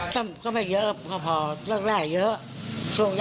ได้เป็นสกัลลุคเกอร์ก่อน